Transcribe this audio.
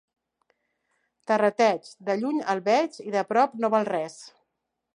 Terrateig, de lluny el veig i de prop no val res.